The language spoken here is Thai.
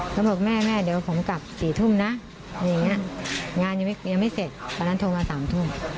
เขาบอกแม่แม่เดี๋ยวผมกลับสี่ทุ่มนะงานยังไม่เสร็จตอนนั้นโทรมาสามทุ่ม